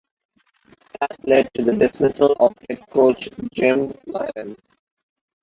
That led to the dismissal of Head Coach Jim Lynam.